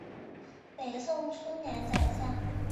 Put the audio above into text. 北宋初年宰相。